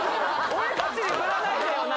俺達にふらないでよな